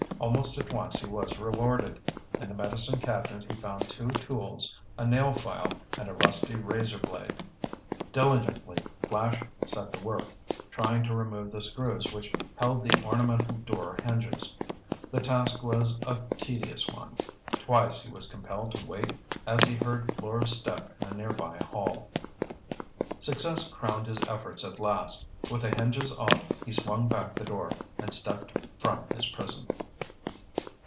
Almost at once he was rewarded. In the medicine cabinet he found two tools, a nail file and a rusty razor blade. Diligently, Flash set to work, trying to remove the screws which held the ornamental door hinges. The task was a tedious one. Twice he was compelled to wait as he heard Fleur's step in a near by hall. Success crowned his efforts at last. With the hinges off, he swung back the door and stepped from his prison.